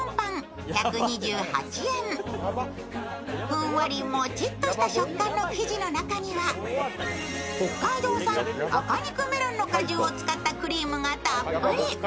ふんわり、もちっとした食感の生地の中には北海道産赤肉メロンの果汁を使ったクリームがたっぷり。